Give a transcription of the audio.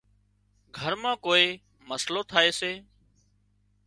گھر مان ڪوئي مسئلو ٿائي سي